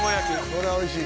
これはおいしい